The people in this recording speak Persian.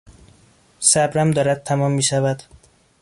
صبرم دارد تمام میشود.